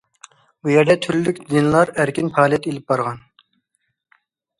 بۇ يەردە تۈرلۈك دىنلار ئەركىن پائالىيەت ئېلىپ بارغان.